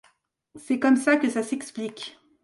C’est comme ça que ça s’explique.